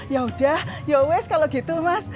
yaudah ya wes kalau gitu mas